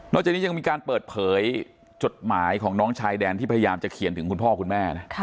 จากนี้ยังมีการเปิดเผยจดหมายของน้องชายแดนที่พยายามจะเขียนถึงคุณพ่อคุณแม่นะ